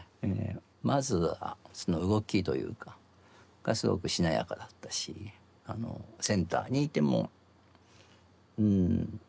まずその動きというかがすごくしなやかだったしセンターにいてもうん。